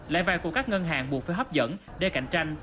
lại vài của các ngân hàng buộc phải hấp dẫn để cạnh tranh